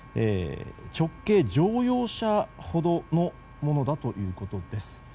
直径、乗用車ほどのものだということです。